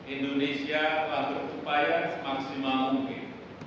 indonesia telah berupaya semaksimal mungkin